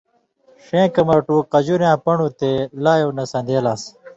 ݜَیں کمرٹو قجُرِیاں پن٘ڑؤں تے لایؤں نہ سن٘دے لان٘س۔